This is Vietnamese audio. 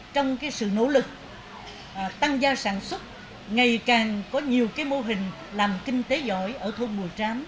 trong cái sự nỗ lực tăng gia sản xuất ngày càng có nhiều cái mô hình làm kinh tế giỏi ở thôn bùi chám